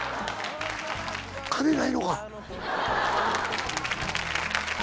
金ないのか？